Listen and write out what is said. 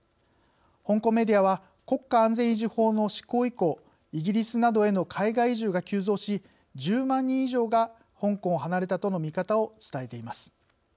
香港メディアは国家安全維持法の施行以降イギリスなどへの海外移住が急増し１０万人以上が香港を離れたとの見方を伝えています。